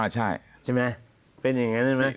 ใช่ใช่ไหมเป็นอย่างนั้นได้ไหม